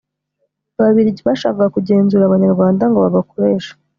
ababiligi bashakaga kugenzura abanyarwanda ngo babakoreshe